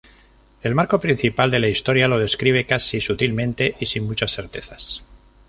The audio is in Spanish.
El marco principal de la historia lo describe casi sutilmente y sin muchas certezas.